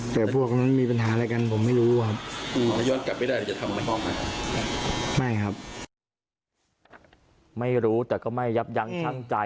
ทำไมคุณคิดผิดอย่างนี้